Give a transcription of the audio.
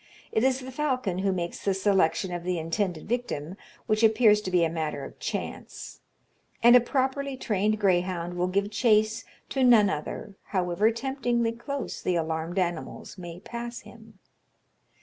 It is the falcon who makes the selection of the intended victim which appears to be a matter of chance and a properly trained greyhound will give chase to none other, however temptingly close the alarmed animals may pass him.